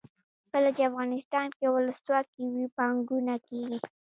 کله چې افغانستان کې ولسواکي وي پانګونه کیږي.